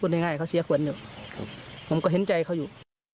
พูดง่ายค่ะเขาเสียหวนยมผมก็เห็นใจเขาอยู่